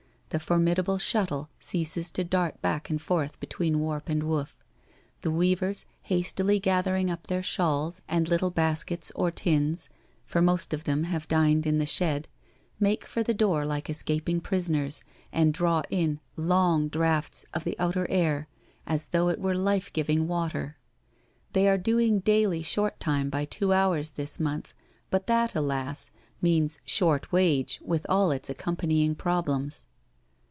The formidable shuttle ceases to dart back and forth between warp and woof. The weavers, hastily gathering up their shawls and little baskets or tins, for most of them have dined in the shed, make for the door like escaping prisoners, and draw in long draughts of the outer air as though it were life giving water. They are doing daily short time by two hours this month, but that alas I means short wage with all its accompanying problems.